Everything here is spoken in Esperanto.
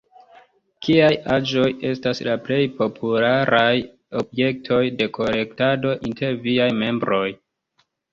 Kiaj aĵoj estas la plej popularaj objektoj de kolektado inter viaj membroj?